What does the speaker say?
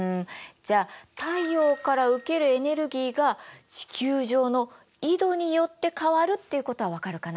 じゃあ太陽から受けるエネルギーが地球上の緯度によって変わるっていうことは分かるかな？